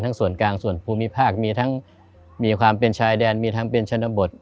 ส่วนกลางส่วนภูมิภาคมีทั้งมีความเป็นชายแดนมีทั้งเป็นชนบท